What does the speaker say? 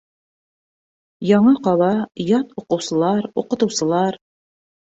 Яңы ҡала, ят уҡыусылар, уҡытыусылар.